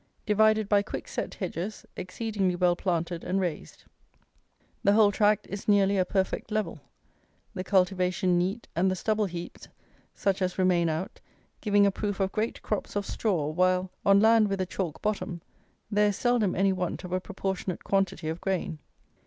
Divided by quick set hedges, exceedingly well planted and raised. The whole tract is nearly a perfect level. The cultivation neat, and the stubble heaps, such as remain out, giving a proof of great crops of straw, while, on land with a chalk bottom, there is seldom any want of a proportionate quantity of grain.